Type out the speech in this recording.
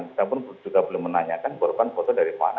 kita pun juga belum menanyakan korban foto dari mana